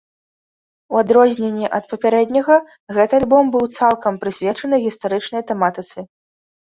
У адрозненне ад папярэдняга гэты альбом быў цалкам прысвечаны гістарычнай тэматыцы.